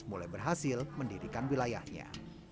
mulai berhasil mendirikan wilayahnya